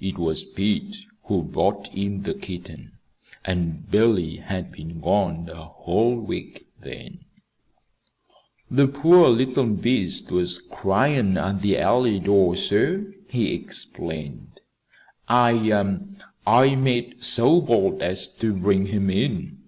It was Pete who brought in the kitten; and Billy had been gone a whole week then. "The poor little beast was cryin' at the alleyway door, sir," he explained. "I I made so bold as to bring him in."